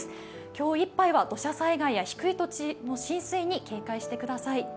今日いっぱいは土砂災害や低い土地の浸水に警戒してください。